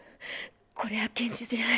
これは現実じゃない。